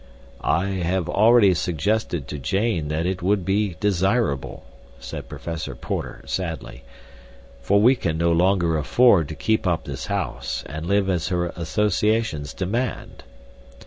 "I have already suggested to Jane that it would be desirable," said Professor Porter sadly, "for we can no longer afford to keep up this house, and live as her associations demand."